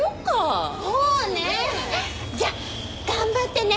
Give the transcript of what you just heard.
じゃ頑張ってね。